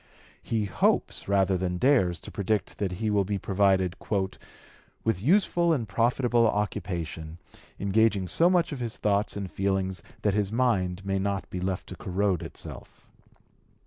He hopes rather than dares to predict that he will be provided "with useful and profitable occupation, engaging so much of his thoughts and feelings that his mind may not be left to corrode itself."